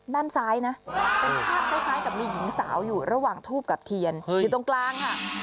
ด้านซ้ายนะเป็นภาพคล้ายกับมีหญิงสาวอยู่ระหว่างทูบกับเทียนอยู่ตรงกลางค่ะ